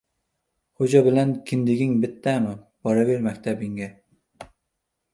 — Xo‘ja bilan kindiging bittami! Boraver maktabingga.